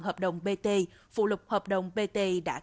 hợp đồng bt phụ lục hợp đồng bt